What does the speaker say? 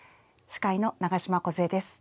司会の長島梢恵です。